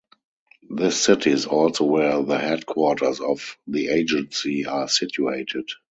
This city is also where the headquarters of the Agency are situated.